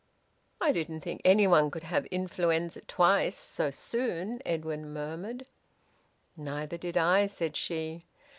"I didn't think anyone could have influenza twice, so soon," Edwin murmured. "Neither did I," said she.